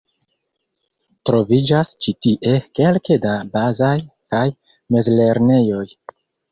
Troviĝas ĉi tie kelke da bazaj kaj mezlernejoj.